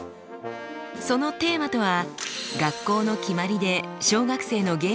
そのテーマとは。